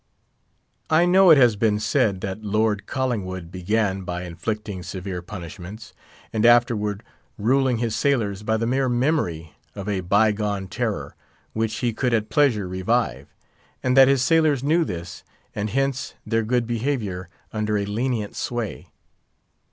I know it has been said that Lord Collingwood began by inflicting severe punishments, and afterward ruling his sailors by the mere memory of a by gone terror, which he could at pleasure revive; and that his sailors knew this, and hence their good behaviour under a lenient sway.